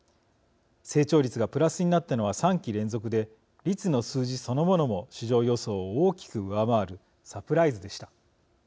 成長率がプラスになったのは３期連続で、率の数字そのものも市場予想を大きく上回るサプライズでした。